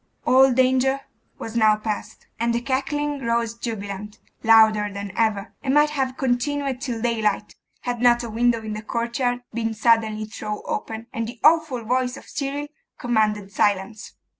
All danger was now past; and the cackling rose jubilant, louder than ever, and might have continued till daylight, had not a window in the courtyard been suddenly thrown open, and the awful voice of Cyril commanded silence.